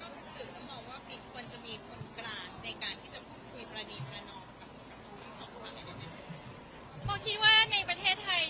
นอกจากสื่อทำว่ามีคนกลางในการที่จะพูดคุยประดีฟและนอกกับทุกคนของกลางได้ไหม